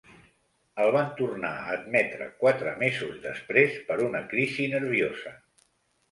El van tornar a admetre quatre mesos després per una crisi nerviosa.